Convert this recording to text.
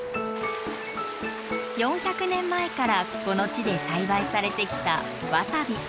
４００年前からこの地で栽培されてきたわさび。